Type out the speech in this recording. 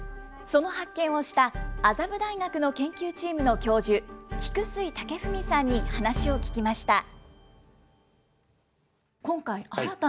その発見をした麻布大学の研究チームの教授、菊水健史さんに話を聞きました。